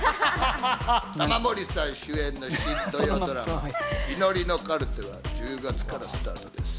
玉森さん主演の新土曜ドラマ『祈りのカルテ』は１０月からスタートです。